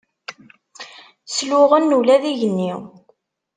Sluɣen ula d igenni.